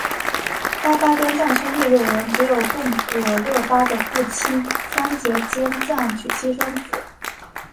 扎巴坚赞兄弟六人只有贡噶勒巴的父亲桑结坚赞娶妻生子。